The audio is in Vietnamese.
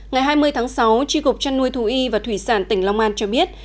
ngày hai mươi tháng sáu tri cục trăn nuôi thú y và thủy sản tỉnh long an cho biết